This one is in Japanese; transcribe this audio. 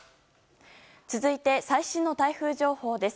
続いて最新の台風情報です。